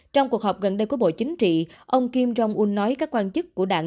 trong cuộc họp gần đây của bộ chính trị ông kim jong un nói các quan chức của đảng